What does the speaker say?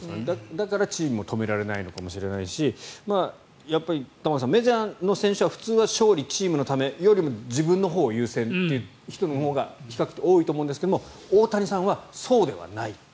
だからチームも止められないのかもしれないし玉川さん、メジャーの選手は普通は勝利、チームのためにより自分のほうが優先という人が比較的多いと思いますが大谷さんはそうではない。